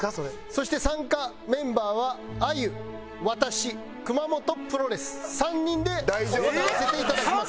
そして参加メンバーはあゆ私熊元プロレス３人で行わせていただきます。